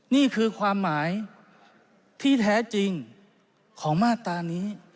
นี่คือความหมายที่แท้จริงของมาตรานี้